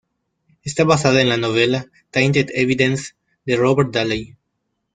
Está basada en la novela "Tainted Evidence" de Robert Daley.